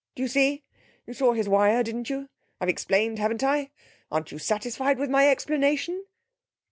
Do you see? You saw his wire, didn't you? I've explained, haven't I? Aren't you satisfied with my explanation?'